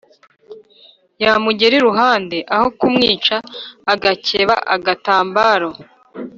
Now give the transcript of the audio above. yamugera iruhande, aho kumwica agakeba agatambaro